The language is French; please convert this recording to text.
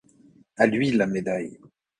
À lui la médaille!